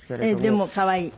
でも可愛い。